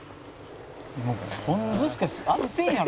「もうポン酢しか味せんやろこれ」